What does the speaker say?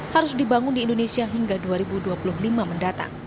harus dibangun di indonesia hingga dua ribu dua puluh lima mendatang